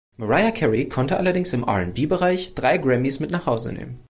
Mariah Carey konnte allerdings im R&B-Bereich drei Grammys mit nach Hause nehmen.